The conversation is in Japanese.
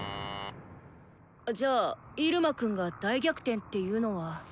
じゃあイルマくんが大逆転っていうのは。